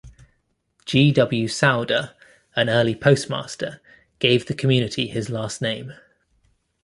G. W. Souder, an early postmaster, gave the community his last name.